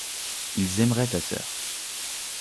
Ils aimeraient ta sœur.